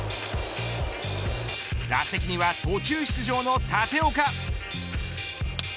打席には途中出場の立岡。